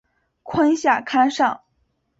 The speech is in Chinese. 坤下坎上。